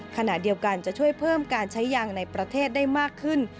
ขณะเดียวกันจะช่วยเพิ่มการใช้ยางในประเทศได้มากขึ้น